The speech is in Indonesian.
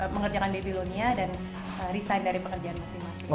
mengerjakan babylonia dan resign dari pekerjaan masing masing